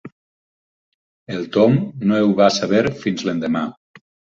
El Tom no ho va saber fins l'endemà.